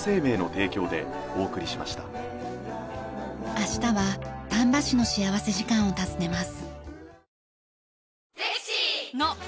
明日は丹波市の幸福時間を訪ねます。